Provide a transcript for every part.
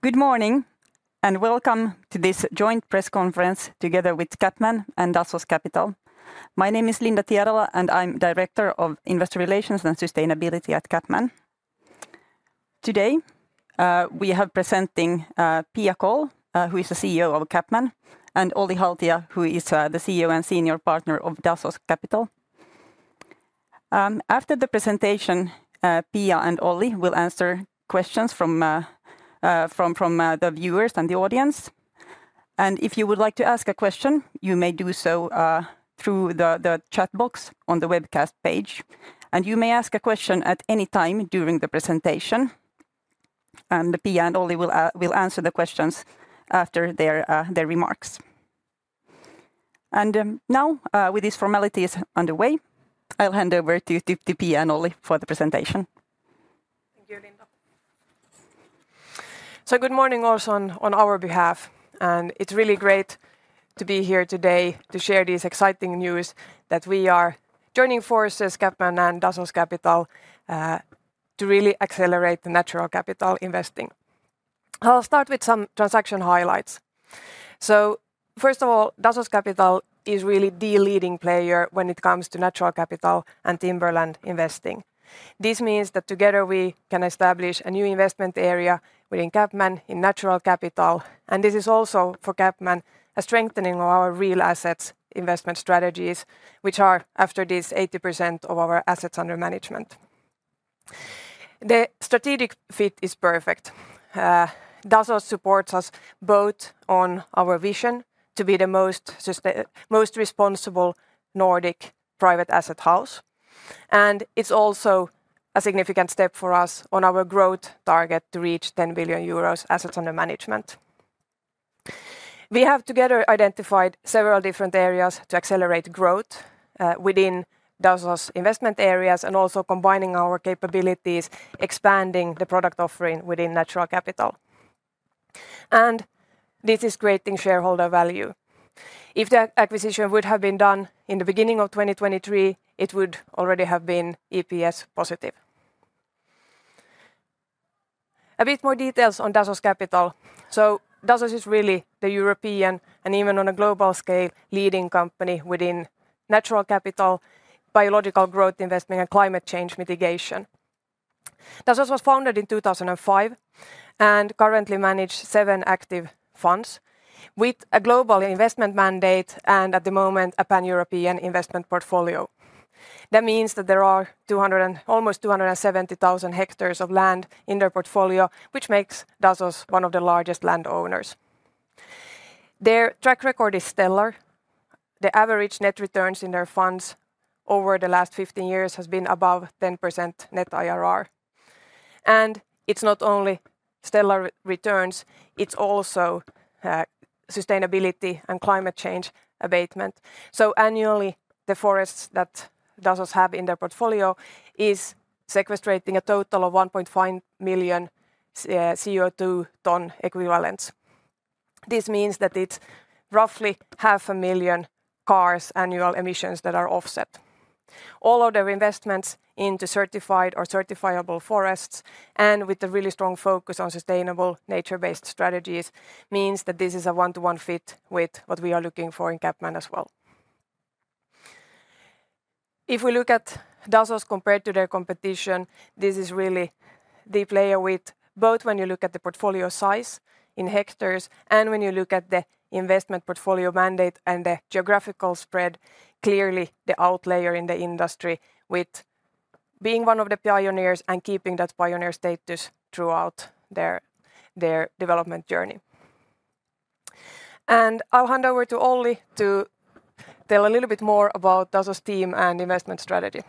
Good morning and welcome to this joint press conference together with CapMan and Dasos Capital. My name is Linda Tierala and I'm Director of Investor Relations and Sustainability at CapMan. Today we have presenting Pia Kåll, who is the CEO of CapMan, and Olli Haltia, who is the CEO and Senior Partner of Dasos Capital. After the presentation, Pia and Olli will answer questions from the viewers and the audience. If you would like to ask a question, you may do so through the chat box on the webcast page. You may ask a question at any time during the presentation. Pia and Olli will answer the questions after their remarks. Now, with these formalities underway, I'll hand over to Pia and Olli for the presentation. Thank you, Linda. So good morning, everyone, on our behalf and it's really great to be here today to share this exciting news that we are joining forces with CapMan and Dasos Capital to really accelerate the natural capital investing. I'll start with some transaction highlights. So first of all, Dasos Capital is really the leading player when it comes to natural capital and timberland investing. This means that together we can establish a new investment area within CapMan in natural capital. And this is also for CapMan, a strengthening of our real assets investment strategies which are after this, 80% of our assets under management. The strategic fit is perfect. Dasos supports us both on our vision to be the most responsible Nordic private asset house. And it's also a significant step for us on our growth target to reach 10 billion euros assets under management. We have together identified several different areas to accelerate growth within Dasos's investment areas and also combining our capabilities, expanding the product offering within natural capital and this is creating shareholder value. If the acquisition would have been done in the beginning of 2023, it would already have been EPS positive. A bit more details on Dasos Capital. So Dasos is really the European and even on a global scale leading company within natural capital, biological growth, investment and climate change mitigation. Dasos was founded in 2005 and currently manages seven active funds with a global investment mandate and at the moment a pan-European investment portfolio. That means that there are almost 270,000 hectares of land in their portfolio, which makes Dasos one of the largest landowners. Their track record is stellar. The average net returns in their funds over the last 15 years has been above 10% net IRR. It's not only stellar returns, it's also sustainability and climate change abatement. Annually the forests that Dasos have in their portfolio is sequestering a total of 1.5 million CO2 ton equivalents. This means that it's roughly 500,000 cars annual emissions that are offset. All of their investments into certified or certifiable forests and with a really strong focus on sustainable nature-based strategies means that this is a one-to-one fit with what we are looking for in CapMan as well. If we look at Dasos compared to their competition, this is really the player with both when you look at the portfolio size and in hectares and when you look at the investment portfolio mandate and the geographical spread, clearly the outlier in the industry with being one of the pioneers and keeping that pioneer status throughout their development journey. I'll hand over to Olli to tell a little bit more about Dasos's team and investment strategy.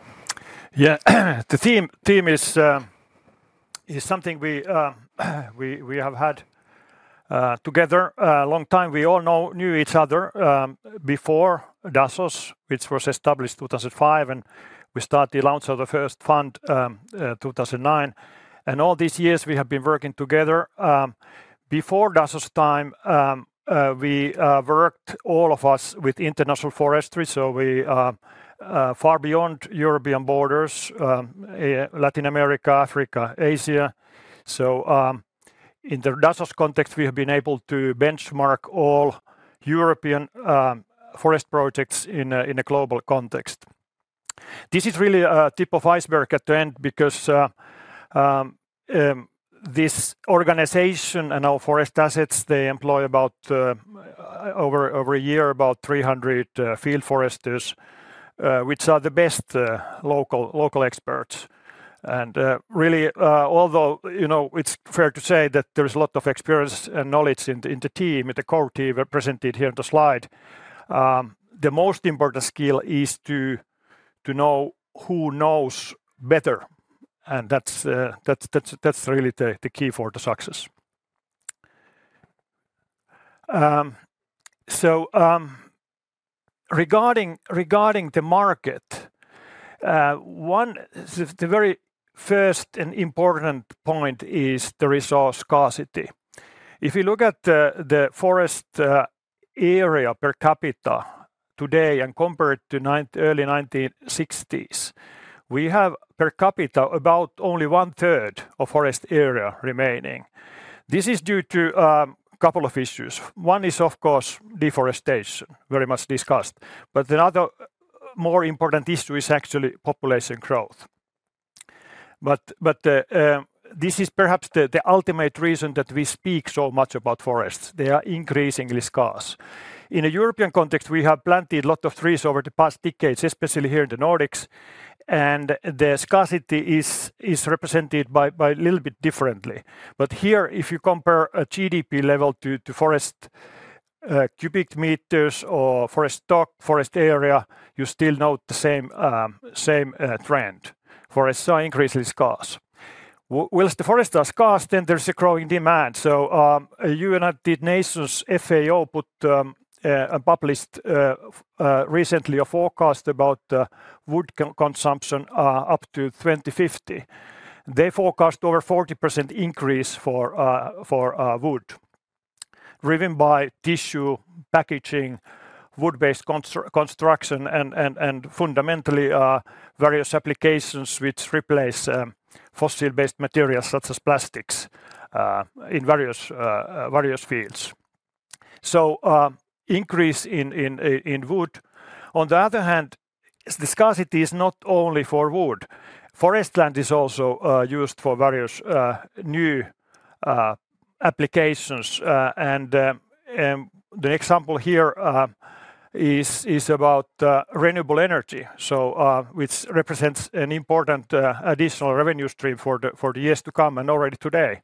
Yeah, the team is is something we have had together a long time. We all knew each other before Dasos which was established 2005 and we started the launch of the first fund 2009. And all these years we have been working together before Dasos time we worked all of us with international forestry. So we far beyond European borders, Latin America, Africa, Asia. So in the Dasos context we have been able to benchmark all European forest projects in a global context. This is really tip of the iceberg at the end because this organization and our forest assets, they employ about over a year about 300 field foresters, which are the best local experts. Really, although it's fair to say that there's a lot of experience and knowledge in the team, in the core team represented here in the slide, the most important skill is to know who knows better. That's really the key for the success. Regarding the market, first and important point is the resource scarcity. If you look at the forest area per capita today and compared to early 1960s, we have per capita about only 1/3 of forest area remaining. This is due to a couple of issues. One is of course deforestation very much discussed. But another more important issue is actually population growth. This is perhaps the ultimate reason that we speak so much about forests. They are increasingly scarce. In a European context we have planted a lot of trees over the past decades, especially here in the Nordics. The scarcity is represented a little bit differently. But here if you compare a GDP level to forest cubic meters or forest stock forest area, you still note the same trend forest so increase whilst the forest are scarce, then there's a growing demand. So United Nations FAO put published recently a forecast about wood consumption up to 2050, they forecast over 40% increase for wood, driven by tissue packaging, wood-based construction and fundamentally various applications which replace fossil-based materials such as plastics in various fields. So increase in wood. On the other hand, the scarcity is not only for wood. Forest land is also used for various new applications. And the example here is about renewable energy, which represents an important additional revenue stream for the years to come. Already today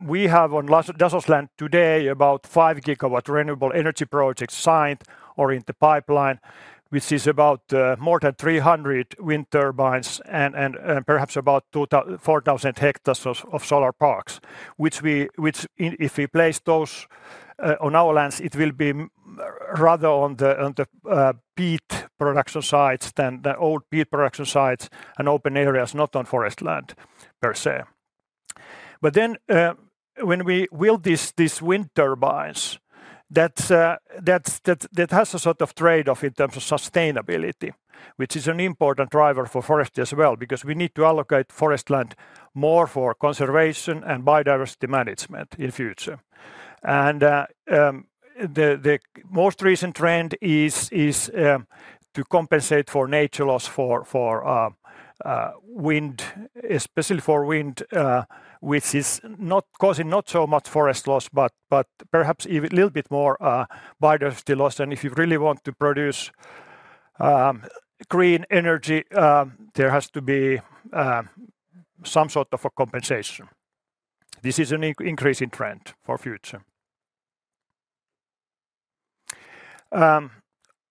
we have on Dasos today about 5 GW renewable energy projects signed or in the pipeline, which is about more than 300 wind turbines and perhaps about 4,000 hectares of solar parks. If we place those on our lands, it will be rather on the peat production sites than the old peat production sites and open areas, not on forest land per se. But then when we will these wind turbines, that has a sort of trade off in terms of sustainability, which is an important driver for forestry as well, because we need to allocate forest land more for conservation and biodiversity management in future. The most recent trend is to compensate for nature loss for wind, especially for wind, which is causing not so much forest loss, but perhaps even a little bit more biodiversity loss. If you really want to produce green energy, there has to be some sort of a compensation. This is an increase in trend for future.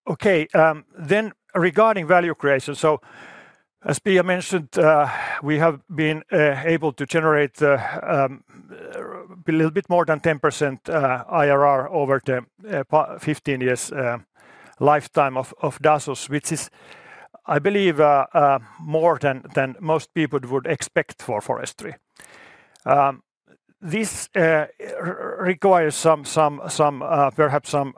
Okay then, regarding value creation. So as Pia mentioned, we have been able to generate a little bit more than 10% IRR over the 15 years lifetime of Dasos, which is I believe more than most people would expect for forestry. This requires some, perhaps some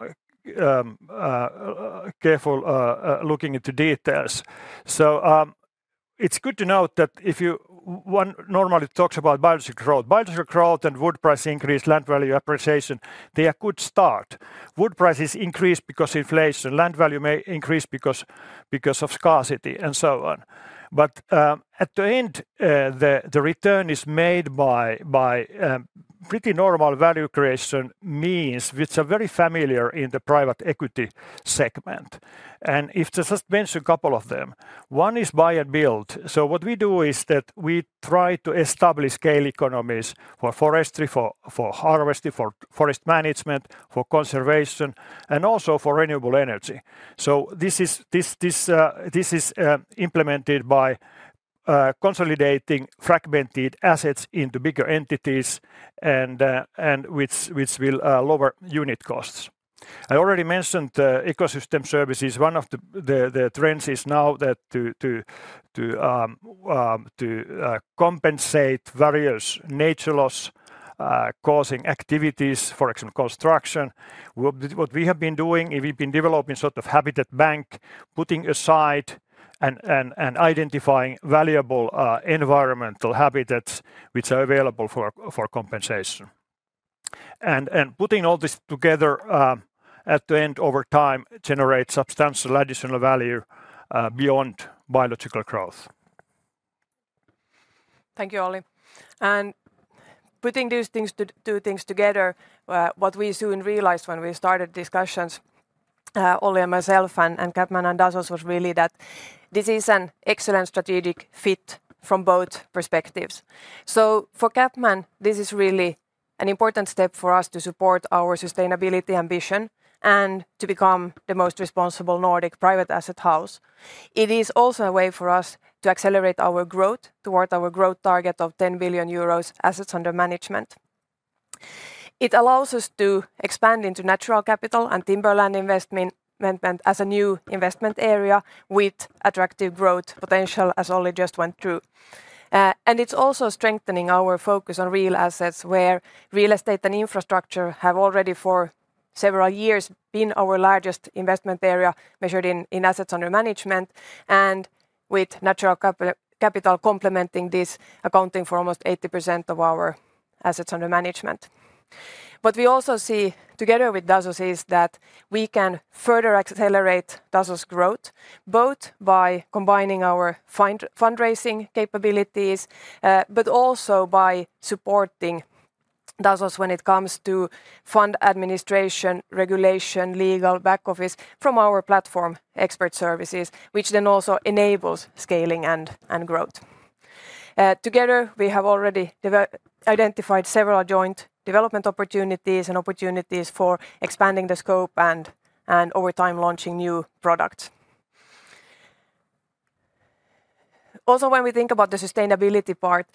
careful looking into details. So it's good to note that if you one normally talks about biological growth, biological growth and wood price increase, land value appreciation, they are good start. Wood prices increase because inflation, land value may increase because, because of scarcity and so on. But at the end the return is made by pretty normal value creation means, which are very familiar in the private equity segment. And if to just mention a couple of them, one is buy and build. So what we do is that we try to establish scale economies for forestry, for harvest, for forest management, for conservation, and also for renewable energy. So this is implemented by consolidating fragmented assets into bigger entities and which will lower unit costs. I already mentioned ecosystem services. One of the trends is now to compensate various nature loss causing activities. For example construction, what we have been doing, been developing sort of habitat bank, putting aside and identifying valuable environmental habitats which are available for compensation. Putting all this together at the end, over time generates substantial additional value beyond biological growth. Thank you, Olli. And putting these two things together, what we soon realized when we started discussions, Olli, myself and CapMan and Dasos was really that this is an excellent strategic fit from both perspectives. So for CapMan, this is really an important step for us to support our sustainability ambition and to become the most responsible Nordic private asset house. It is also a way for us to accelerate our growth toward our growth target of 10 billion euros assets under management. It allows us to expand into natural capital and timberland investment as a new investment area with attractive growth potential as Olli just went through. And it's also strengthening our focus on real assets where real estate and infrastructure have already for several years been our largest investment area measured in assets under management. And with natural capital complementing this, accounting for almost 80% of our assets under management. What we also see together with Dasos is that we can further accelerate Dasos's growth both by combining our fundraising capabilities, but also by supporting Dasos's when it comes to fund administration, regulation, legal back office from our platform expert services, which then also enables scaling and growth. Together we have already identified several joint development opportunities and opportunities for expanding the scope and over time launching new products. Also, when we think about the sustainability part,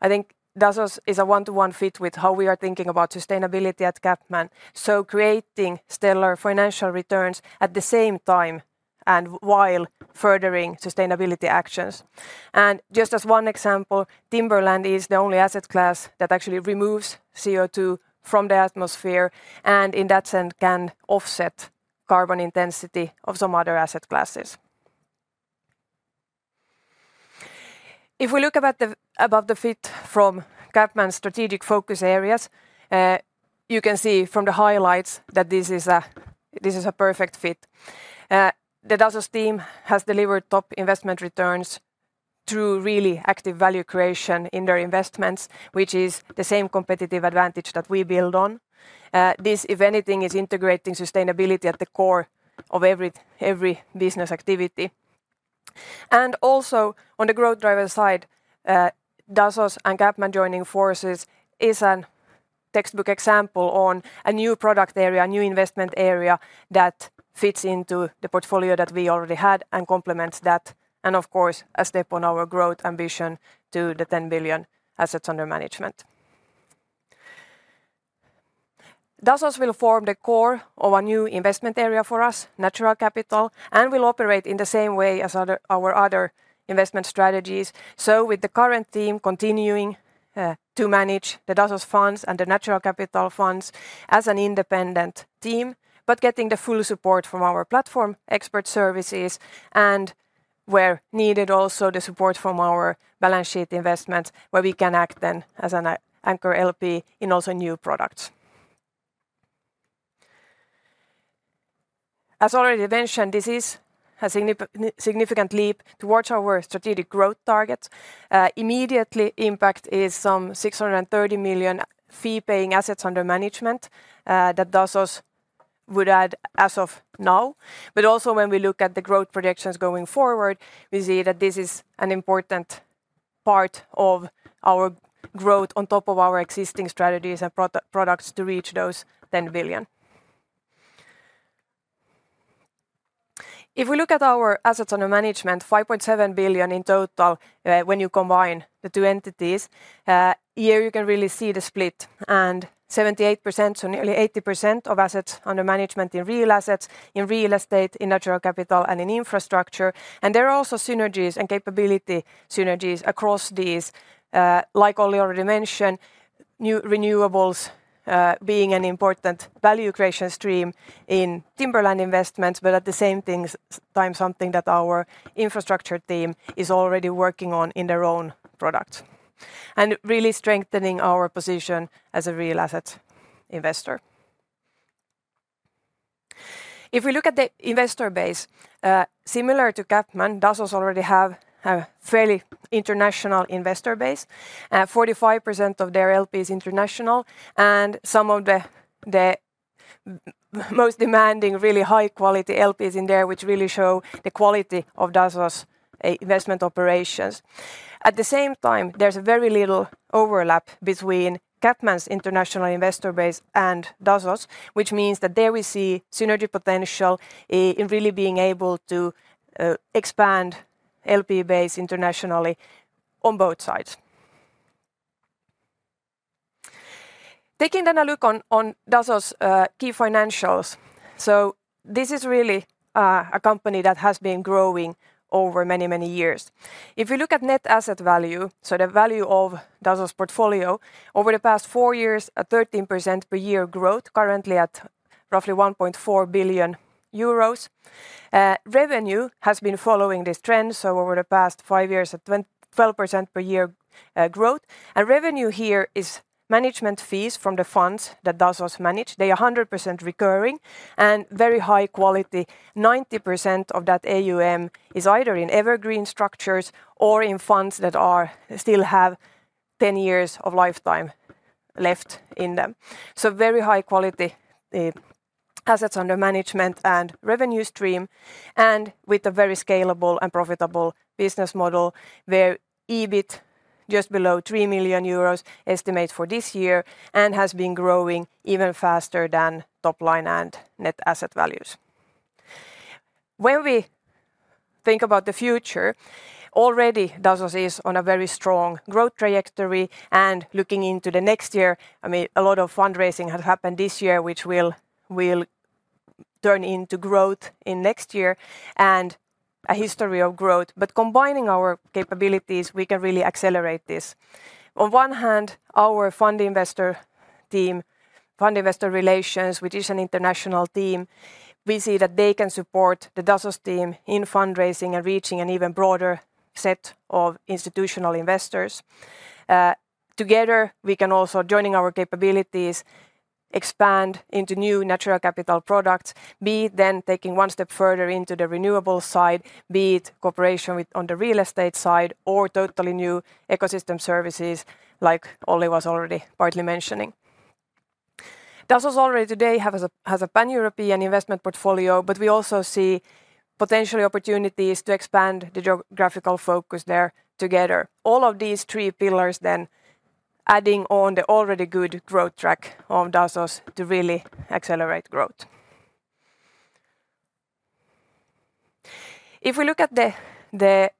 I think Dasos is a one-to-one fit with how we are thinking about sustainability at CapMan. So creating stellar financial returns at the same time and while furthering sustainability actions. And just as one example, timberland is the only asset class that actually removes CO2 from the atmosphere and in that sense can offset carbon intensity of some other asset classes. If we look above the fold from CapMan's strategic focus areas, you can see from the highlights that this is a perfect fit. The Dasos team has delivered top investment returns through really active value creation in their investments, which is the same competitive advantage that we build on. This, if anything, is integrating sustainability at the core of every business activity. And also on the growth driver side, Dasos's and CapMan joining forces is a textbook example of a new product area, a new investment area that fits into the portfolio that we already had and complements that and of course a step on our growth ambition to the 10 billion assets under management. Dasos will form the core of a new investment area for us, Natural Capital, and will operate in the same way as our other investment strategies. So with the current team continuing to manage the Dasos funds and the natural capital funds as an independent team, but getting the full support from our platform expert services and where needed, also the support from our balance sheet investments where we can act then as an anchor LP in also new products. As already mentioned, this is a significant leap towards our strategic growth target. Immediate impact is some 630 million fee-paying assets under management that Dasos would add as of now. But also when we look at the growth projections going forward, we see that this is an important part of our growth on top of our existing strategies and products to reach those 10 billion. If we look at our assets under management, 5.7 billion in total. When you combine the two entities here you can really see the split and 78% so nearly 80% of assets under management in real assets, in real estate, in natural capital and in infrastructure. There are also synergies and capability synergies across these. Like Olli already mentioned new renewables being an important value creation stream in timberland investments. But at the same time something that our infrastructure team is already working on in their own product and really strengthening our position as a real asset investor. If we look at the investor base similar to CapMan, Dasos already have a fairly international investor base. 45% of their LP is international and some of the most demanding really high quality LPs in there which really show the quality of Dasos's investment operations. At the same time there's very little overlap between CapMan's international investor base and Dasos, which means that there we see synergy potential in really being able to expand LP base internationally on both sides. Taking then a look on Dasos key financials. So this is really a company that has been growing over many many years. If you look at net asset value. So the value of Dasos's portfolio over the past four years a 13% per year growth currently at roughly 1.4 billion euros. Revenue has been following this trend. So over the past five years at 12% per year growth and revenue. Here is management fees from the funds that Dasos manage. They are 100% recurring and very high quality. 90% of that AUM is either in evergreen structures or in funds that still have 10 years of lifetime left in them. So very high quality assets under management and revenue stream. With a very scalable and profitable business model where EBIT just below 3 million euros estimates for this year and has been growing even faster than top line and net asset values. When we think about the future already Dasos is on a very strong growth trajectory and looking into the next year, I mean a lot of fundraising has happened this year, which will turn into growth in next year and a history of growth. Combining our capabilities we can really accelerate this. On one hand our fund investor team, Fund Investor Relations, which is an international team. We see that they can support the Dasos's team in fundraising and reaching an even broader set of institutional investors. Together we can also joining our capabilities expand into new natural capital products. Be it then taking one step further into the renewable side. Be it cooperation on the real estate side or totally new ecosystem services like Olli was already partly mentioning. Dasos already today has a pan-European investment portfolio. But we also see potentially opportunities to expand the geographical focus there. Together all of these three pillars then adding on the already good growth track of Dasos to really accelerate growth. If we look at the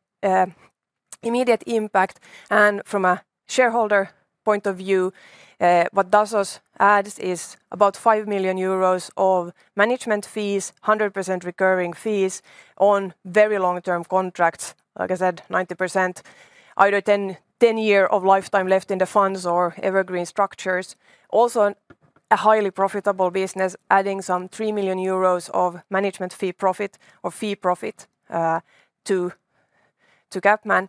immediate impact and from a shareholder point of view, what Dasos adds is about 5 million euros of management fees, 100% recurring fees on very long-term contracts. Like I said, 90% either 10-year of lifetime left in the funds or evergreen structures. Also a highly profitable business. Adding some 3 million euros of management fee profit or fee profit to CapMan.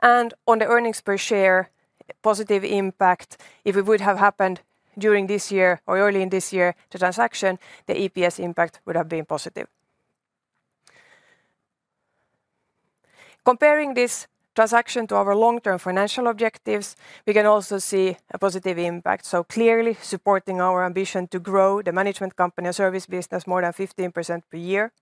And on the earnings per share positive impact. If it would have happened during this year or early in this year, the transaction the EPS impact would have been positive. Comparing this transaction to our long-term financial objectives, we can also see a positive impact so clearly supporting our ambition to grow the management company and service business more than 15% per year.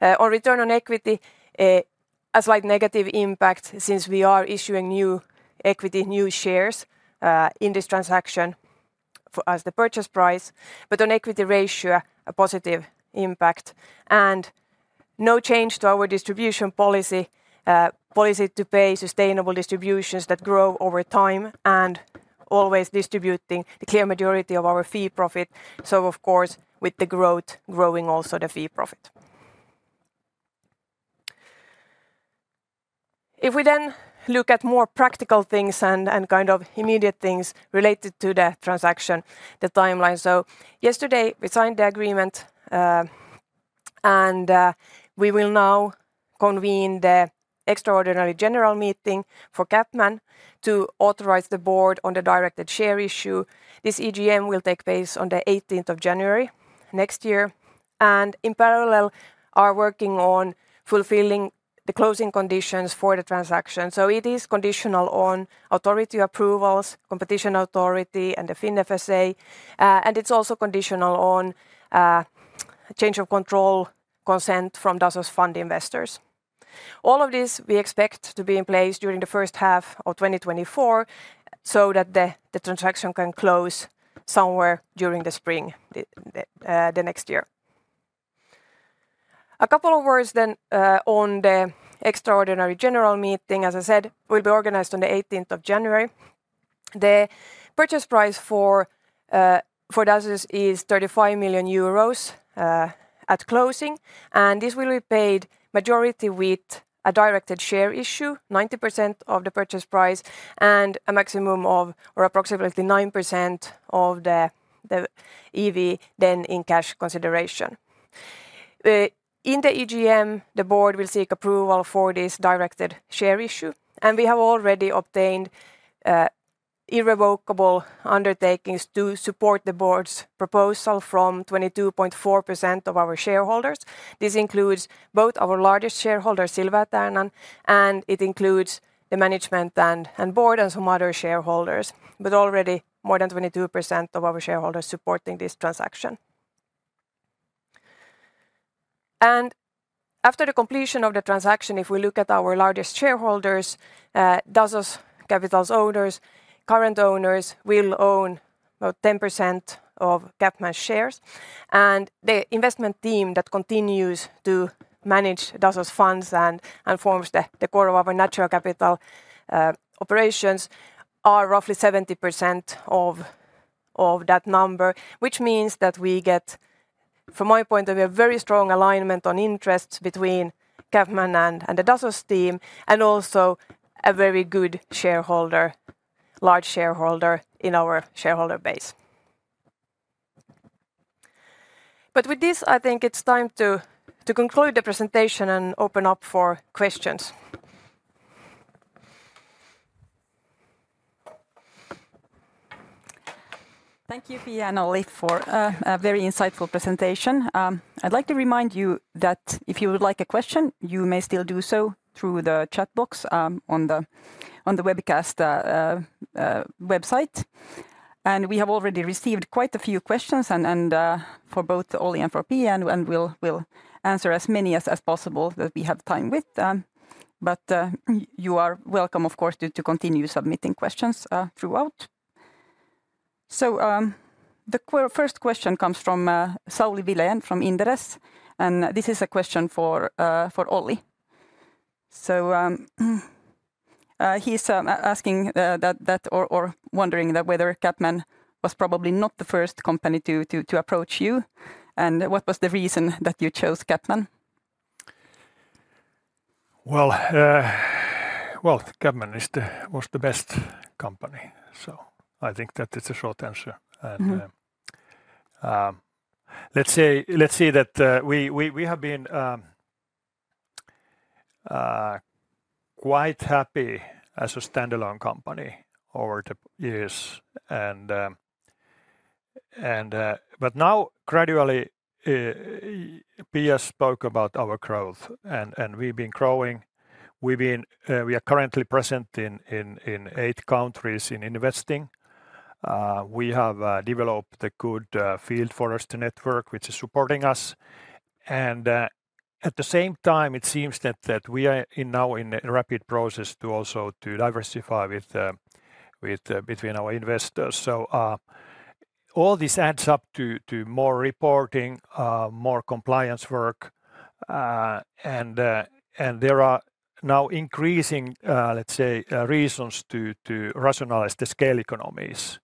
On return on equity a slight negative impact since we are issuing new equity, new shares in this transaction as the purchase price. But on equity ratio a positive impact and no change to our distribution policy policy to pay sustainable distributions that grow over time and always distributing the clear majority of our fee profit. So of course with the growth growing also the fee profit, if we then look at more practical things and kind of immediate things related to the transaction. The timeline. So yesterday we signed the agreement and we will now convene the extraordinary general meeting for CapMan to authorize the board on the directed share issue. This EGM will take place on the 18th of January next year and in parallel are working on fulfilling the closing conditions for the transaction. So it is conditional on authority approvals, competition authority and the FIN-FSA. And it's also conditional on change of control consent from Dasos fund investors. All of this we expect to be in place during the first half of 2024 so that the the transaction can close somewhere during the spring, the next year. A couple of words then on the extraordinary general meeting, as I said, will be organized on 18 January. The purchase price for Dasos is 35 million euros at closing and this will be paid majority with a directed share issue 90% of the purchase price and a maximum of or approximately 9% of the EV than in cash consideration in the EGM. The board will seek approval for this directed share issue and we have already obtained irrevocable undertakings to support the board's proposal from 22.4% of our shareholders. This includes both our largest shareholder Silvertärnan and it includes the management and board and some other shareholders, but already more than 22% of our shareholders supporting this transaction. After the completion of the transaction, if we look at our largest shareholders, Dasos Capital's owners, current owners will own about 10% of CapMan shares and the investment team that continues to manage Dasos funds and forms the core of our natural capital operations are roughly 70% of that number. Which means that we get from my point of a very strong alignment on interests between CapMan and the Dasos team and also a very good shareholder, large shareholder in our shareholder base. But with this I think it's time to conclude the presentation and open up for questions. Thank you, Pia Kåll, for a very insightful presentation. I'd like to remind you that if you would like a question, you may still do so through the chat box on the webcast website. We have already received quite a few questions for both Olli and Pia, and we'll answer as many as possible that we have time with. You are welcome, of course, to continue submitting questions throughout. The first question comes from Sauli Vilén from Inderes, and this is a question for Olli. So he's asking that or wondering that whether CapMan was probably not the first company to approach you and, and what was the reason that you chose CapMan? Well, CapMan was the best company. So I think that it's a short answer. Let's say that we have been quite happy as a standalone company over the years and but now gradually Pia spoke about our growth and we've been growing. We are currently present in eight countries in investing. We have developed a good field for us to network which is supporting us and at the same time it seems that we are now in rapid process to also to diversify with between our investors. So all this adds up to more reporting, more compliance work and there are now increasing, let's say reasons to rationalize the scale economies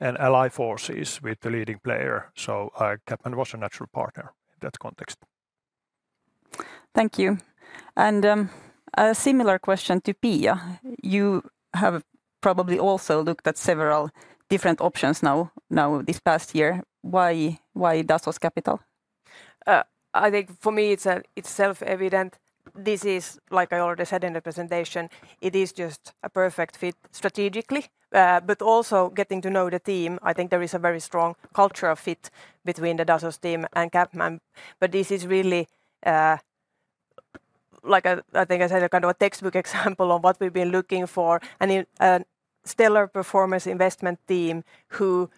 and align forces with the leading player. So CapMan was a natural partner in that context. Thank you. And a similar question to Pia Kåll, you have probably also looked at several different options now this past year. Why Dasos Capital? I think for me it's self-evident. This is like I already said in the presentation; it is just a perfect fit strategically, but also getting to know the team. I think there is a very strong cultural fit between the Dasos team and CapMan. But this is really like I think I said, a kind of a textbook example of what we've been looking for and a stellar performance investment team who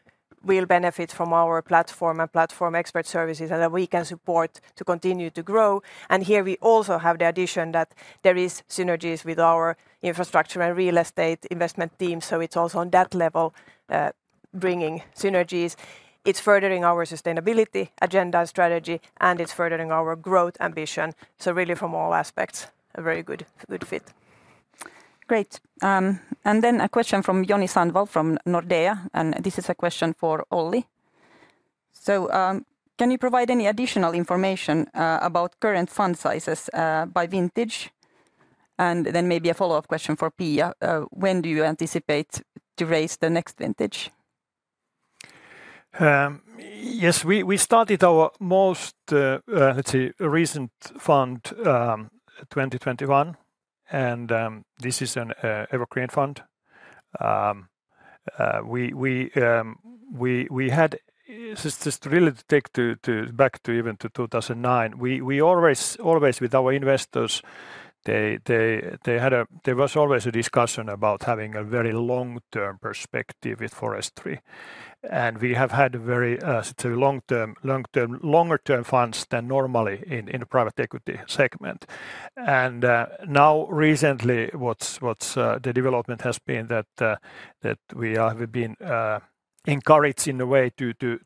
will benefit from our platform and platform expert services and that we can support to continue to grow. And here we also have the addition that there is synergies with our infrastructure and real estate investment team. So it's also on that level bringing synergies. It's furthering our sustainability agenda strategy and it's furthering our growth ambition. So really from all aspects except a very good fit. Great. Then a question from Joni Sandvall from Nordea and this is a question for Olli. So can you provide any additional information about current fund sizes by vintage and then maybe a follow up question for Pia. When do you anticipate to raise the next vintage? Yes, we started our most, let's say, recent fund 2021 and this is an evergreen fund we had just really to take back to even to 2009. We always with our investors there was always a discussion about having a very long term perspective with forestry and we have had very long term, long term, longer term funds than normally in the private equity segment. And now recently what the development has been that we have been encouraged in a way to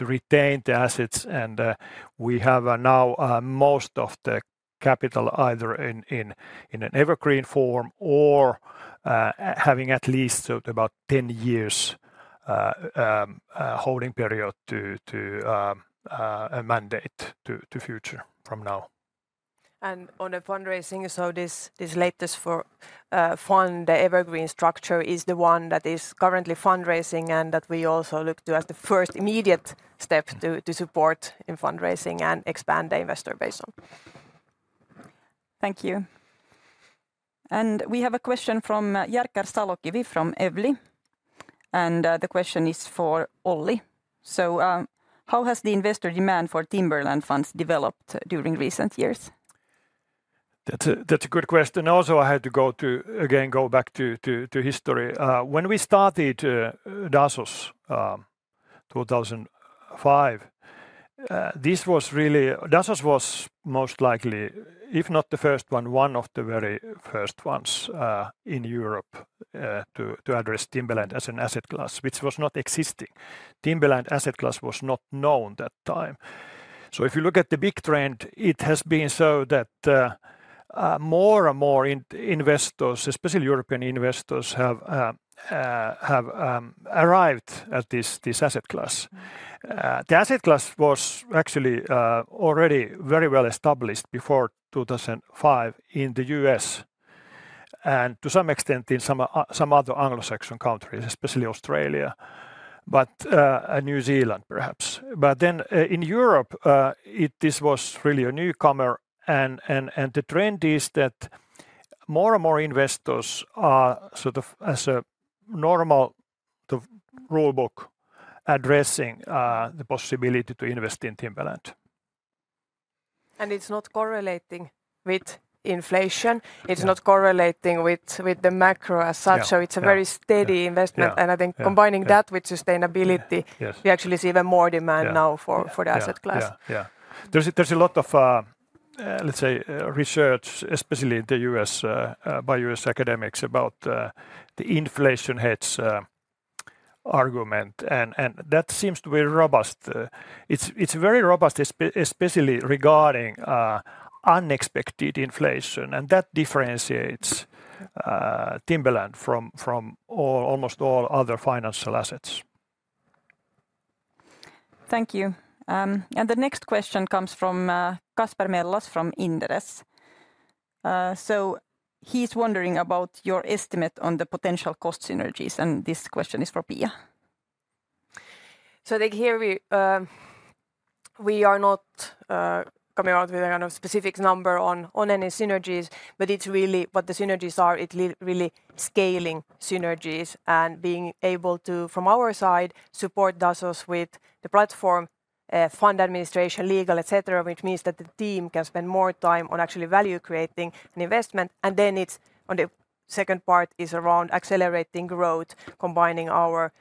retain the assets and we have now most of the capital either in an evergreen form or having at least about 10 years holding period to a mandate to future from now. On the fundraising. This latest fund, the evergreen structure, is the one that is currently fundraising and that we also look to as the first immediate step to support in fundraising and expand the investor base on. Thank you. And we have a question from Jerker Salokivi from Evli and the question is for Olli. So how has the investor demand for timberland funds developed during recent years? That's a good question. Also I had to go to again go back to history. When we started Dasos 2005, this was really Dasos was most likely, if not the first one, one of the very first ones in Europe to address timberland as an asset class which was not existing. Timberland asset class was not known that time. So if you look at the big trend it has been so that more and more investors, especially European investors, have arrived at this asset class. The asset class was actually already very well established before 2005 in the U.S. and to some extent in some other Anglo-Saxon countries, especially Australia, but New Zealand perhaps, but then in Europe this was really a newcomer. And the trend is that more and more investors are sort of as a normal rulebook addressing the possibility to invest in timberland. It's not correlating with inflation, it's not correlating with the macro as such. It's a very steady investment. I think combining that with sustainability, we actually see even more demand now for the asset class. Yeah, there's a lot of, let's say research, especially by U.S. academics about the inflation hedge argument and that seems to be robust. It's very robust, especially regarding unexpected inflation. And that differentiates timberland from almost all other financial assets. Thank you. The next question comes from Kasper Mellas from Inderes. He's wondering about your estimate on the potential cost synergies. This question is for Pia. So here we are not coming out with a kind of specific number on any synergies, but it's really what the synergies are. It's really scaling synergies and being able to from our side support Dasos with the platform, fund administration, legal, et cetera. Which means that the team can spend more time on actually value creating an investment. And then it's on. The second part is around accelerating growth, combining our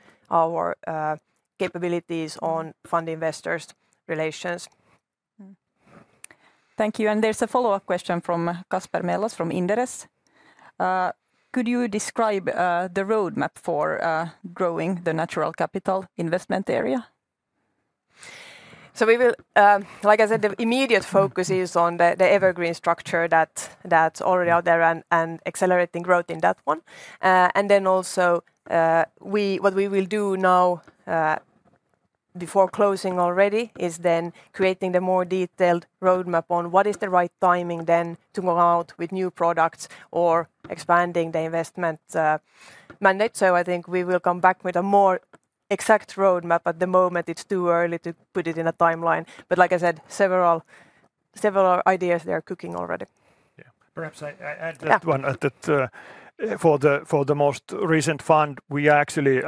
capabilities on Fund Investor Relations. Thank you. There's a follow-up question from Kasper Mellas from Inderes. Could you describe the roadmap for growing the natural capital investment area? So we will, like I said, the immediate focus is on the evergreen structure that's already out there and accelerating growth in that one. And then also what we will do now before closing already is then creating the more detailed roadmap on what is the right timing then to go out with new products or expanding the investment mandate. So I think we will come back with a more exact roadmap. At the moment it's too early to put it in a timeline but like I said, several ideas they are cooking already. Perhaps I add that one for the most recent fund, we are actually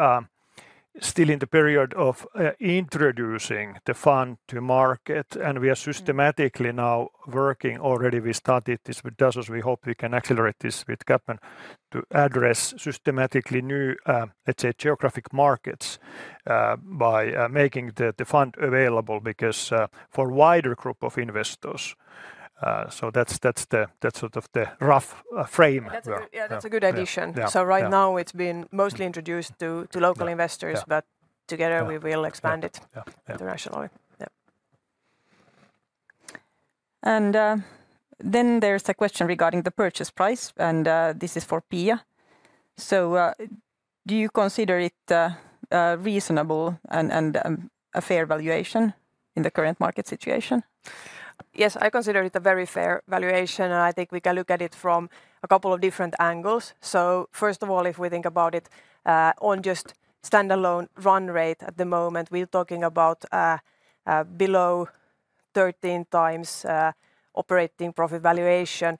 still in the period of introducing the fund to market and we are systematically now working already with started this with Dasos. We hope we can accelerate this with CapMan to address systematically new, let's say geographic markets by making the fund available because for wider group of investors. So that's sort of the rough frame. That's a good addition. Right now it's been mostly introduced to local investors, but together we will expand it internationally. And then there's a question regarding the purchase price and this is for Pia. So do you consider it reasonable and a fair valuation in the current market situation? Yes, I consider it a very fair valuation and I think we can look at it from a couple of different angles. So first of all, if we think about it on just standalone run rate at the moment we're talking about below 13 times operating profit valuation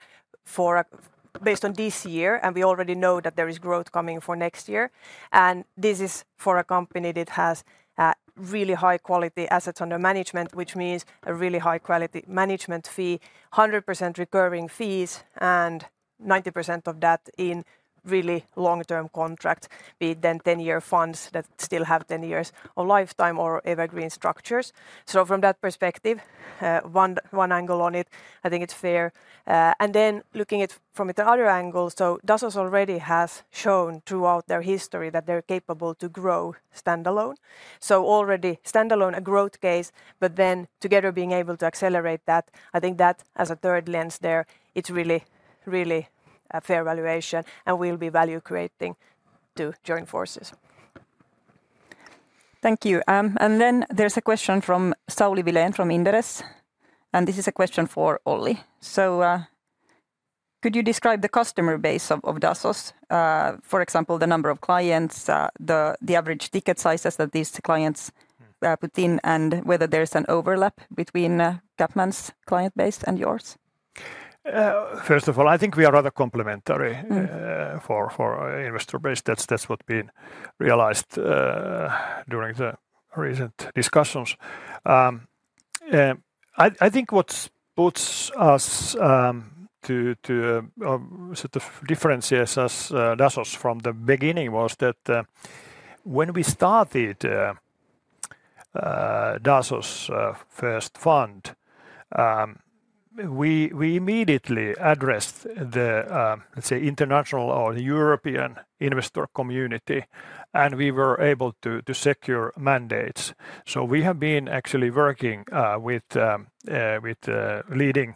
based on this year. And we already know that there is growth coming for next year. And this is for a company that has really high quality assets under management, which means a really high quality management fee, 100% recurring fees and 90% of that in really long term contracts, be it then 10-year funds that still have 10 years of lifetime or evergreen structures. So from that perspective, one angle on it, I think it's fair. And then looking at from the other angle. So Dasos already has shown throughout their history that they're capable to grow standalone. Already standalone a growth case, but then together being able to accelerate that, I think that as a third lens there, it's really, really a fair valuation and we'll be value creating to join forces. Thank you. Then there's a question from Sauli Vilén from Inderes, and this is a question for Olli. So could you describe the customer base of Dasos, for example, the number of clients, the average ticket sizes that these clients put in and whether there's an overlap between CapMan's client base and yours? First of all, I think we are rather complementary for investor base. That's what been realized during the recent discussions. I think what puts us to differentiate Dasos from the beginning was that when we started Dasos's first fund, we immediately addressed the, let's say international or European investor community and we were able to secure mandates. So we have been actually working with leading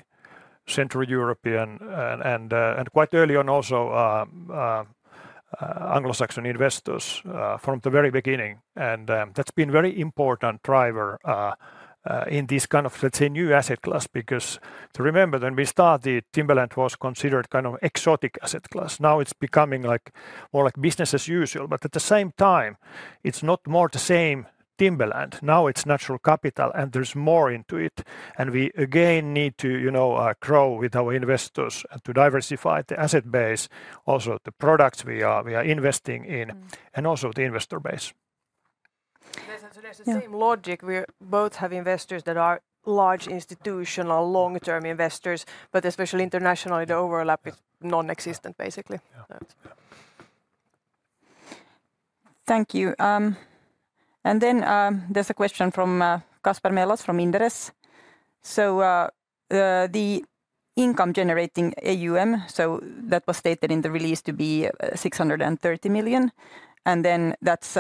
Central European and quite early on also Anglo-Saxon investors from the very beginning. And that's been very important driver in this kind of, let's say new asset class. Because remember when we started Timberland was considered kind of exotic asset class. Now it's becoming more like business as usual, but at the same time it's not more the same Timberland now it's natural capital and there's more into it and we again need to grow with our investors to diversify the asset base, also the products we are investing in and also the investor base. There's the same logic. We both have investors that are large institutional, long-term investors, but especially internationally the overlap is nonexistent basically. Thank you. And then there's a question from Kasper Mellas from Inderes. So the income generating AUM, so that was stated in the release to be 630 million and then that's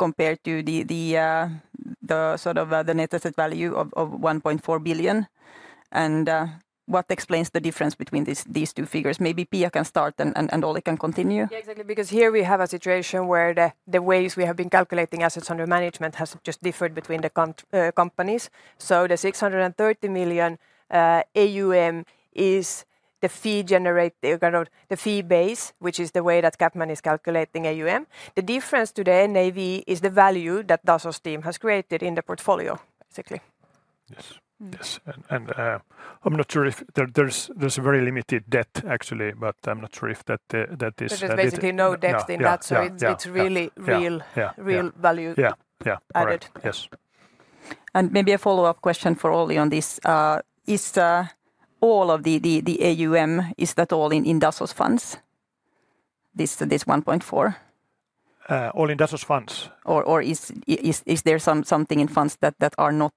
compared to the sort of the net asset value of 1.4 billion. And what explains the difference between these two figures? Maybe Pia can start and Olli can continue. Exactly, because here we have a situation where the ways we have been calculating assets under management has just differed between the companies. So the 630 million AUM is the fee generated, the fee base, which is the way that CapMan is calculating AUM. The difference to the NAV is the value that Dasos's team has created in the portfolio. Basically. Yes, yes. And I'm not sure if there's. There's a very limited debt actually, but I'm not sure if that, that is. There's basically no debt in that. It's really real, real value added. Yes. Maybe a follow-up question for Olli on this: is all of the AUM in Dasos funds, is that all—this EUR 1.4—all in Dasos funds or is there something in funds that are not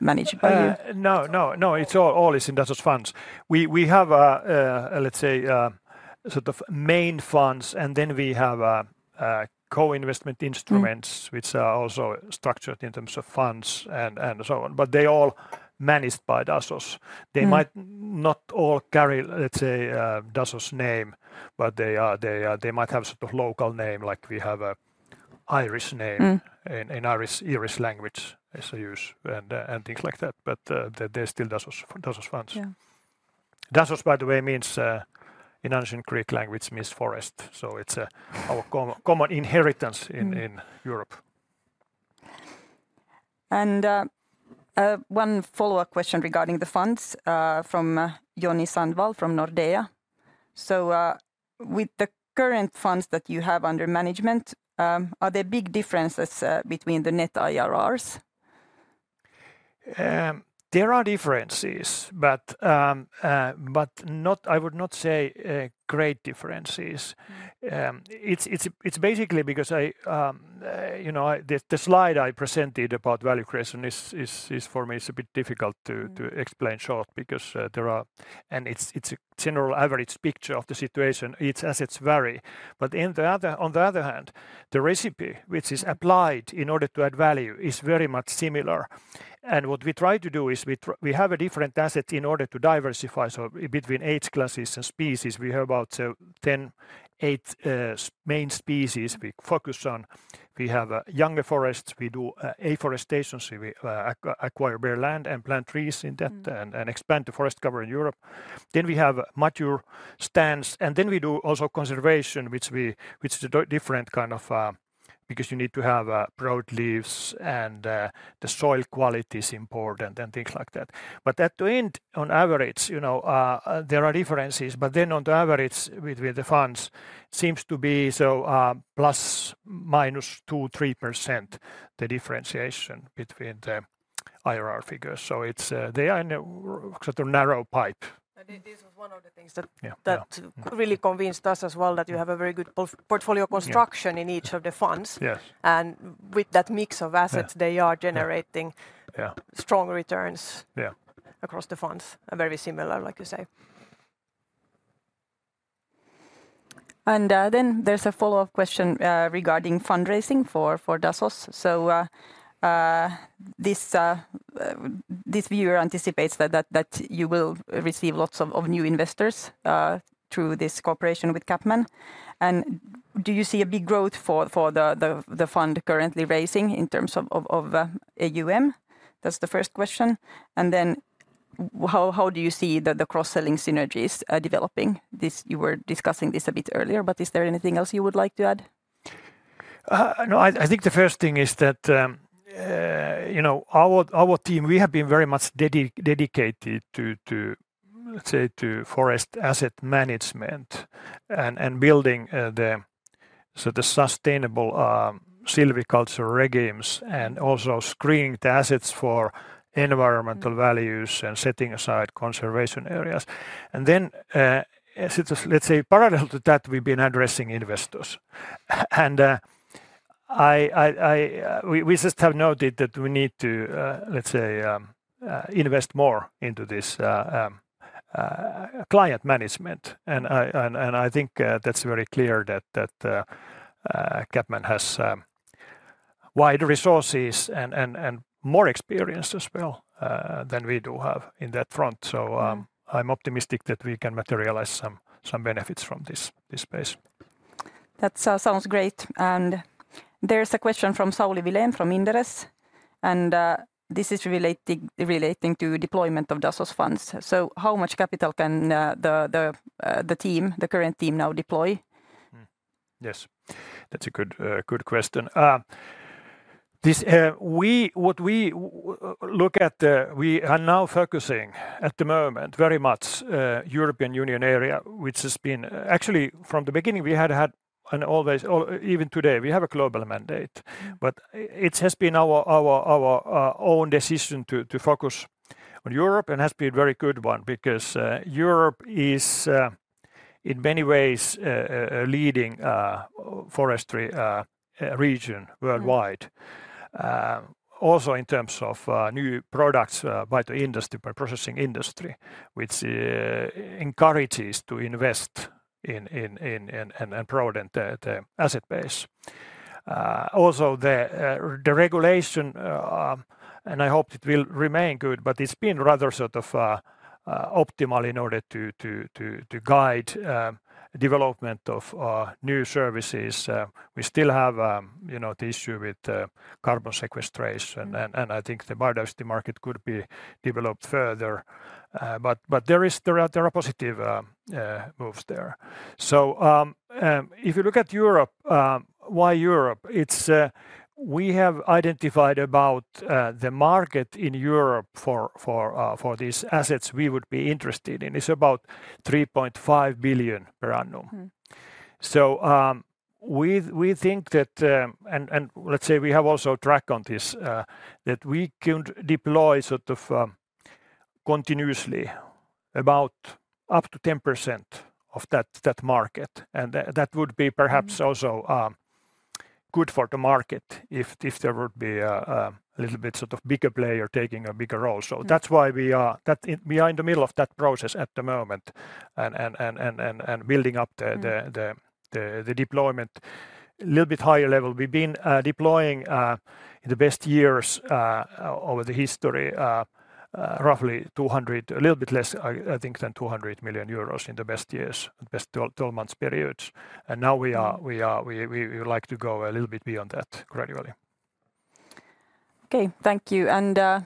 managed by you? No, it's all institutional funds. We have let's say sort of main funds and then we have co-investment instruments which are also structured in terms of funds and so on. But they all managed by Dasos. They might not all carry let's say Dasos's name, but they are, they, they might have sort of local name like we have an Irish name in Irish, Irish language as is used and, and things like that. But they still Dasos funds. Dasos by the way means in ancient Greek language means forest. So it's a common heritage in, in Europe. One follow-up question regarding the funds from Joni Sandvall from Nordea. With the current funds that you have under management, are there big differences between the net IRRs? There are differences, but I would not say great differences. It's basically because, you know, the slide I presented about value creation is for me it's a bit difficult to explain short because there are and it's a general average picture of the situation each assets vary but on the other hand the recipe which is applied in order to add value is very much similar. And what we try to do is we have a different asset in order to diversify. So between age classes and species we hear about 10, eight main species we focus on. We have younger forests, we do afforestation. So we acquire bare land and plant trees in that and expand the forest cover in Europe. Then we have mature stands and then we do also conservation, which is different kind of because you need to have broad leaves and the soil quality is important and things like that. But at the end on average there are differences. But then on the average with the funds seems to be so ±2%-3% the differentiation between the IRR figures. So they are in a sort of narrow pipe. This was one of the things that really convinced us as well that you have a very good portfolio construction in each of the funds and with that mix of assets they are generating strong returns across the funds. Very similar, like you say. And then there's a follow-up question regarding fundraising for Dasos. So. This viewer anticipates that you will receive lots of new investors through this cooperation with CapMan. Do you see a big growth for the fund currently raising in terms of AUM? That's the first question. Then how do you see the cross selling synergies developing? You were discussing this a bit earlier, but is there anything else you would like to add? No, I think the first thing is that our team, we have been very much dedicated to, let's say, to forest asset management and building the sustainable silviculture regimes and also screening the assets for environmental values and setting aside conservation areas. And then, let's say, parallel to that, we've been addressing investors and we just have noted that we need to, let's say, invest more into this client management. And I think that's very clear that CapMan has wider resources and more experienced as well than we do have in that front. So I'm optimistic that we can materialize some benefits from this space. That sounds great. There's a question from Sauli Vilén from Inderes, and this is relating to deployment of Dasos funds. So how much capital can the team, the current team, now deploy? Yes, that's a good question. What we look at, we are now focusing at the moment very much European Union area, which has been actually from the beginning we had had even today we have a global mandate. But it has been our own decision to focus on Europe and has been a very good one because Europe is in many ways a leading forestry region worldwide. Also in terms of new products by the processing industry, which encourages to invest and provide in the asset base, also the regulation and I hope it will remain good, but it's been rather sort of optimal in order to guide development of new services. We still have the issue with carbon sequestration and I think the biodiversity market could be developed further. But there are positive moves there. So if you look at Europe, why Europe? We have identified about the market in Europe for these assets [as] about 3.5 billion per annum. So we think that, and let's say we have also track on this that we can deploy sort of continuously about up to 10% of that market. And that would be perhaps also good for the market if there would be a little bit sort of bigger player taking a bigger role. So that's why we are in the middle of that process at the moment and building up the deployment a little bit higher level. We've been deploying the best years over the history, roughly 200, a little bit less, I think, than 200 million euros in the best years, best 12 months periods. And now we would like to go a little bit beyond that gradually. Okay, thank you.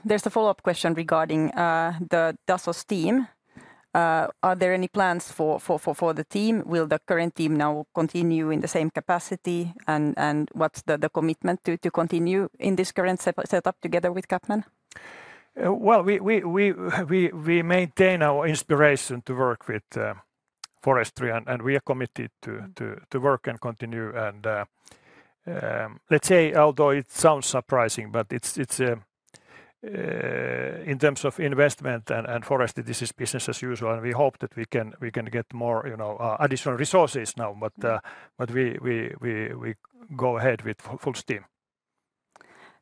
There's a follow-up question regarding the Dasos team. Are there any plans for the team? Will the current team now continue in the same capacity? And what's the commitment to continue in this current setup together with CapMan? Well, we maintain our inspiration to work with forestry and we are committed to work and continue. Let's say, although it sounds surprising, but it's in terms of investment and forest. This is business as usual and we hope that we can get more additional resources now. But we go ahead with full steam.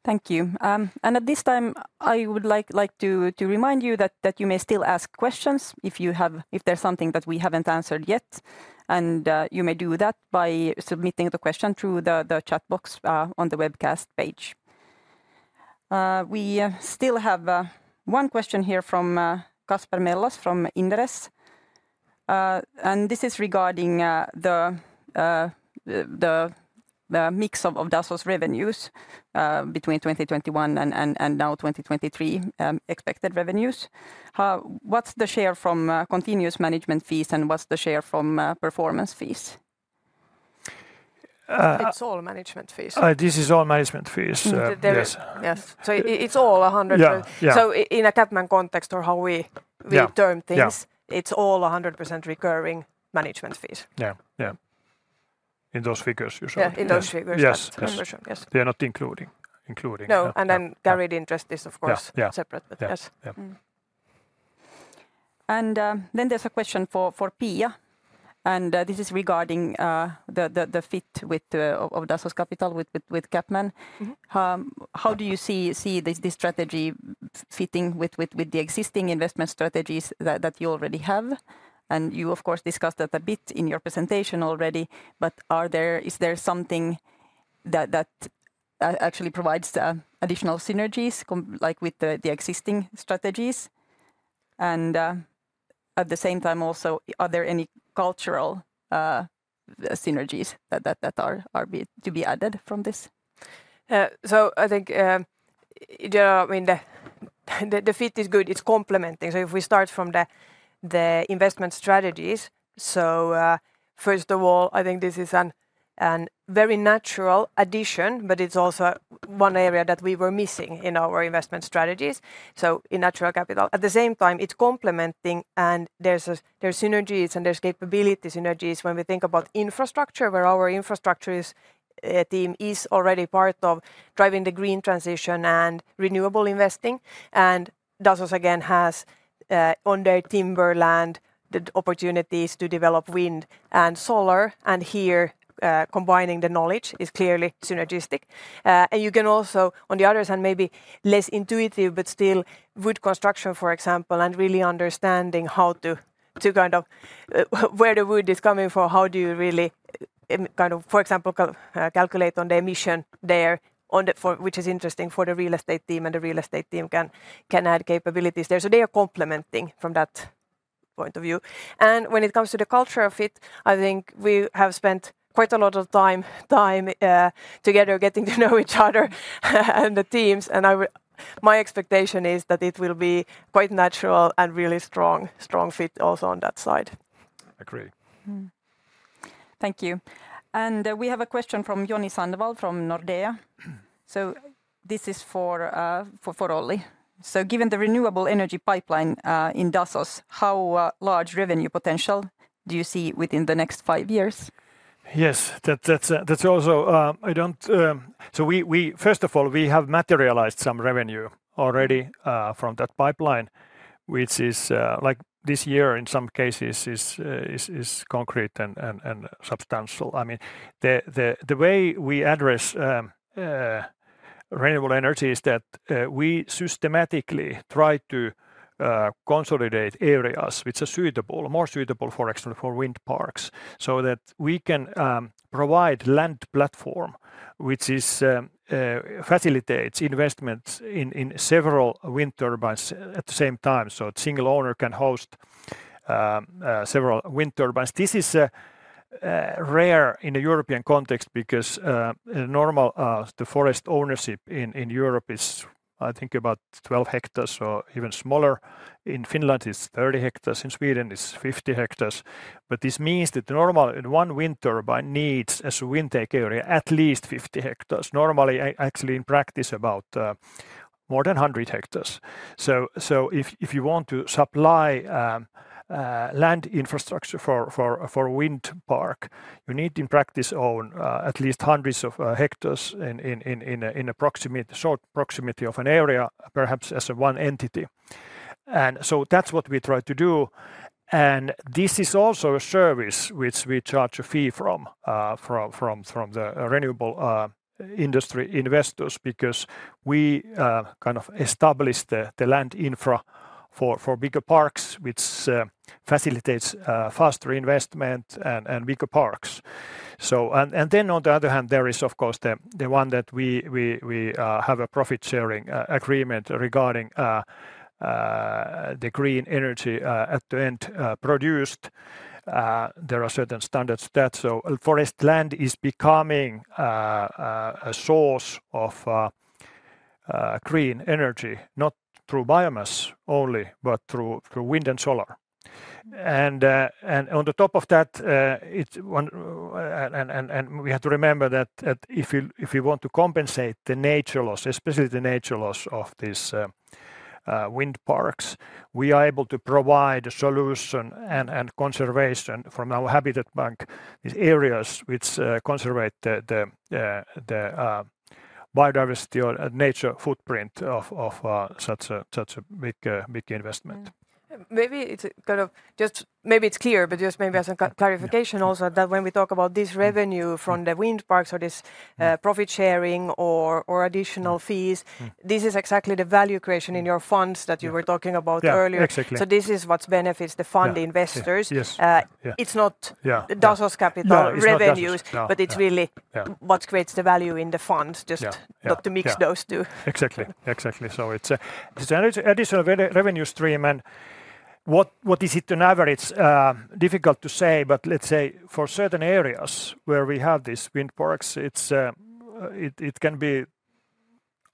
Thank you. At this time I would like to remind you that you may still ask questions if there's something that we haven't answered yet. You may do that by submitting the question through the chat box on the webcast page. We still have one question here from Kasper Mellas from Inderes. This is regarding the mix of Dasos's revenues between 2021 and now 2023 expected revenues. What's the share from continuous management fees and what's the share from performance fees? It's all management fees. This is all management fees. Yes. So it's all 100%. So in a CapMan context, or how we term things, it's all 100% recurring management fees. Yeah. In those figures. In those figures, yes. They are not including. No. And then guaranteed interest is of course separate. Yes. Then there's a question for Pia. This is regarding the fit of Dasos Capital with CapMan. How do you see this strategy fitting with the existing investment strategies that you already have? You of course discussed that a bit in your presentation already. But is there something that actually provides additional synergies like with the existing strategies and at the same time also, are there any cultural synergies that are to be added from this? So I think the fit is good, it's complementing. So if we start from the investment strategies. So first of all, I think this is a very natural addition, but it's also one area that we were missing in our investment strategies. So in Natural Capital, at the same time, it's complementing and there's synergies and there's capability synergies. When we think about infrastructure, where our infrastructure team is already part of driving the green transition and renewable investing. And Dasos again has on their timberland opportunities to develop wind and solar. And here combining the knowledge is clearly synergistic. And you can also, on the other hand, maybe less intuitive, but still wood construction, for example, and really understanding how to kind of where the wood is coming from. How do you really kind of, for example, calculate on the emission there, which is interesting for the real estate team? And the real estate team can add capabilities there. So they are complementing from that point of view. And when it comes to the culture of it, I think we have spent quite a lot of time together getting to know each other and the teams and my expectation is that it will be quite natural and really strong fit also on that side. Agree. Thank you. We have a question from Joni Sandvall from Nordea. This is for Olli. So given the renewable energy pipeline in Dasos, how large revenue potential do you see within the next five years? Yes, that's also. I don't know. So first of all, we have materialized some revenue already from that pipeline, which is like this year in some cases is concrete and substantial. I mean, the way we address renewable energy is that we systematically try to consolidate areas which are suitable, more suitable for actually for wind parks, so that we can provide land platform which facilitates investment in several wind turbines at the same time. So a single owner can host several wind turbines. This is rare in a European context, because normal, the forest ownership in Europe is I think about 12 hectares or even smaller. In Finland it's 30 hectares, in Sweden it's 50 hectares. But this means that normal in one wind turbine needs area at least 50 hectares. Normally actually in practice about more than 100 hectares. So if you want to supply land infrastructure for wind park, you need in practice own at least hundreds of hectares in short proximity of an area, perhaps as one entity. And so that's what we try to do. And this is also a service which we charge a fee from the renewable industry investors, because we kind of established the land infra for bigger parks, which facilitates faster investment and bigger parks. And then on the other hand there is of course the one that we have a profit sharing agreement regarding the green energy at the end produced. There are certain standards that. So forest land is becoming a source of green energy, not through biomass only, but through wind and solar. On top of that, we have to remember that if you want to compensate the nature loss, especially the nature loss of these wind parks, we are able to provide a solution and conservation from our Habitat Bank these areas which conserve the biodiversity or nature footprint of such a big investment. Maybe it's clear, but just as a clarification also that when we talk about this revenue from the wind parks or this profit sharing or additional fees, this is exactly the value creation in your funds that you were talking about earlier. So this is what benefits the fund investors. Like, it's not Dasos Capital revenues, but it's really what creates the value in the fund. Just not to mix those two. Exactly, exactly. So it's additional revenue stream and what is it on average? Difficult to say. But let's say for certain areas where we have these wind parks it can be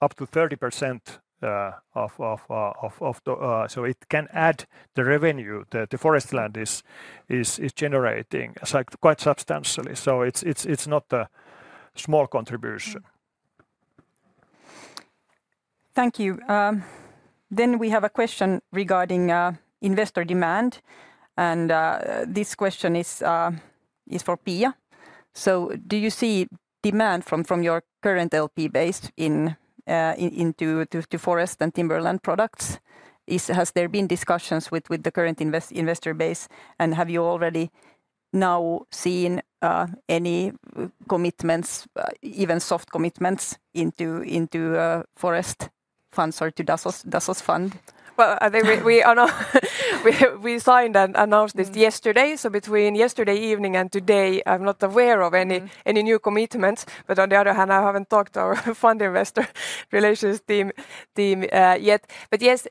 up to 30%. So it can add the revenue that the forest land is generating quite such substantially. So it's not a small contribution. Thank you. Then we have a question regarding investor demand and this question is for Pia. So do you see demand from your current LP base into forest and timberland products? Has there been discussions with the current investor base and have you already now seeing any commitments, even soft commitments into forest funds or to Dasos fund? Well, we signed and announced this yesterday. So between yesterday evening and today I'm not aware of any new commitments. But on the other hand I haven't talked to our Fund Investor Relations team yet. But yes,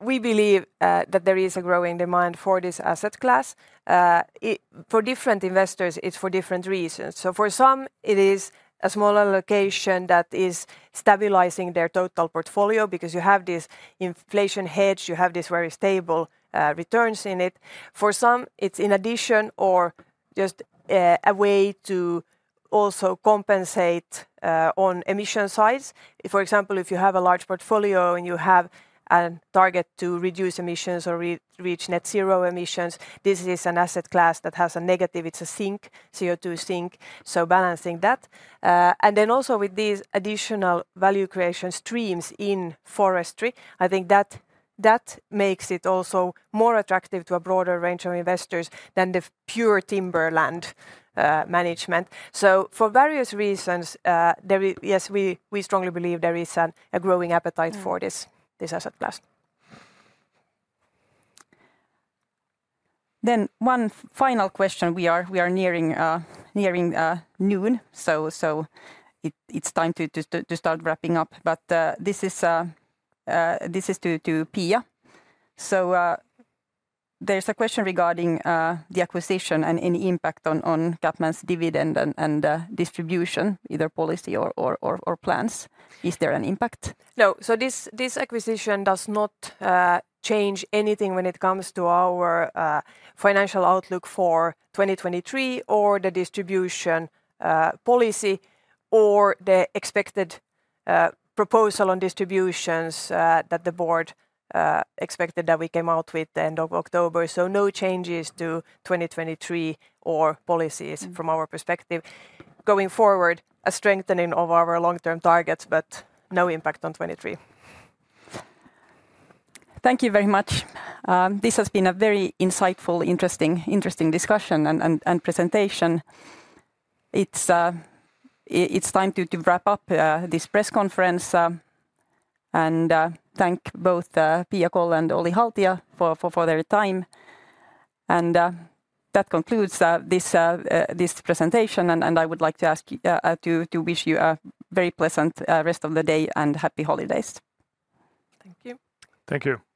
we believe that there is a growing demand for this asset class for different investors. It's for different reasons. So for some it is a small allocation that is stabilizing their total portfolio because you have this inflation hedge, you have this very stable returns in it. For some it's in addition or just a way to also compensate on emission size. For example, if you have a large portfolio and you have a target to reduce emissions or reach net zero emissions, this is an asset class that has a negative. It's a sink CO2 sink. So balancing that and then also with these additional value creation streams in forestry, I think that makes it also more attractive to a broader range of investors than the pure timberland management. So for various reasons, yes, we strongly believe there is a growing appetite for this asset class. Then one final question. We are nearing noon, so it's time to start wrapping up. But this is to Pia. So there's a question regarding the acquisition and any impact on CapMan's dividend and distribution, either policy or plans. Is there an impact? No. So this acquisition does not change anything when it comes to our financial outlook for 2023 or the distribution policy or the expected proposal on distributions that the board expected that we came out with the end of October. So no changes to 2023 or policies from our perspective going forward, a strengthening of our long-term targets, but no impact on 2023. Thank you very much. This has been a very insightful, interesting discussion and presentation. It's time to wrap up this press conference and thank both Pia Kåll and Olli Haltia for their time. And that concludes this presentation. And I would like to ask to wish you a very pleasant rest of the day and happy holidays. Thank you. Thank you.